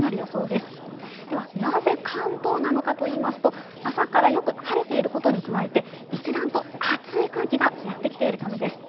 では、なぜ関東なのかといいますと朝からよく晴れていることに加えて一段と熱い空気がやってきているためです。